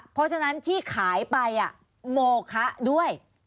เพราะฉะนั้นที่ขายไปโมคะด้วย